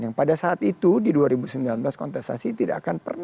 yang pada saat itu di dua ribu sembilan belas kontestasi tidak akan pernah